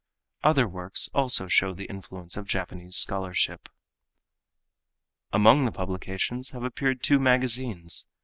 Other works also show the influence of Japanese scholarship. Among the publications have appeared two magazines.